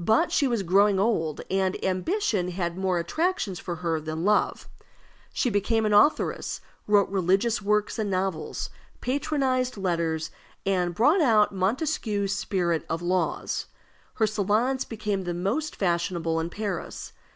But she was growing old, and ambition had more attractions for her than love. She became an authoress, wrote religious works and novels, patronized letters, and brought out Montesquieu's Spirit of Laws. Her salons became the most fashionable in Paris.